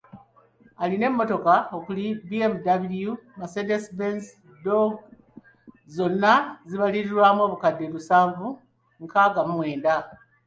Alina emmotoka okuli; BMW, Mercedes Benz, Dodge, zonna zibalirirwamu obukadde lusanvu nkaaga mu wenda.